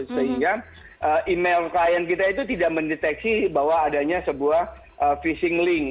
sehingga email klien kita itu tidak mendeteksi bahwa adanya sebuah phishing link